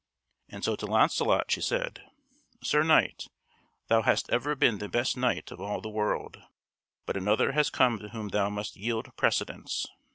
And so to Launcelot she said: "Sir Knight, thou hast ever been the best knight of all the world; but another has come to whom thou must yield precedence."